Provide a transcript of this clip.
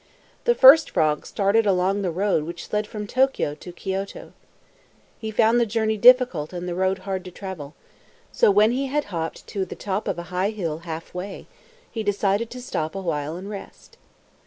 The first frog started along the road which led from Tokio to Kioto. He found the journey difficult and the road hard to travel. So, when he had hopped to the top of a high hill halfway, he decided to stop a while and rest.